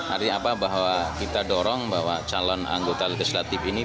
artinya apa bahwa kita dorong bahwa calon anggota legislatif ini